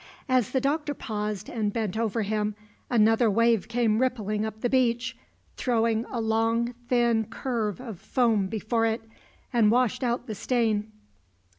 As the Doctor paused and bent over him, another wave came rippling up the beach, throwing a long, thin curve of foam before it, and washed out the stain.